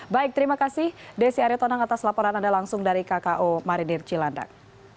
baik terima kasih desi aritonang atas laporan anda langsung dari kko marinir cilandak